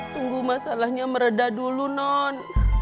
tunggu masalahnya meredah dulu non